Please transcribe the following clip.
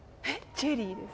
「チェリー」です。